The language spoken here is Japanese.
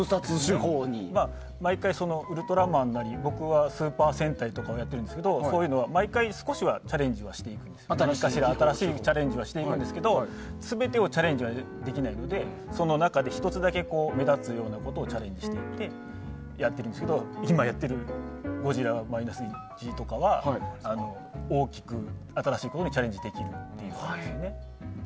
僕は「ウルトラマン」なりスーパー戦隊とかをやってるんですけどそういうのは、毎回少しは何かしら新しいチャレンジはしているんですが全てはチャレンジできないのでその中で１つだけ目立つようなことをチャレンジしていってやってるんですけど今やってる「ゴジラ−１．０」とかは大きく新しいことにチャレンジできる作品ですよね。